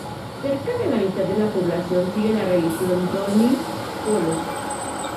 Cerca de la mitad de la población sigue la religión Donyi-Polo.